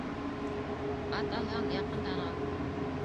Ат алһаң, яҡындан ал